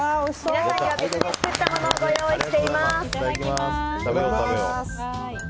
皆さんには別で作ったものをご用意しております。